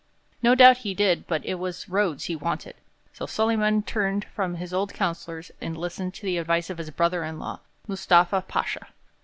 No doubt he did; but it was Rhodes he wanted, so Solyman turned from his old councillors and listened to the advice of his brother in law, Mustafa Pasha.